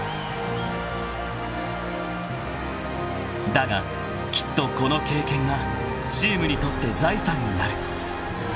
［だがきっとこの経験がチームにとって財産になる］